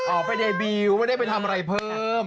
ออกไปในบิลไม่ได้ไปทำอะไรเพิ่ม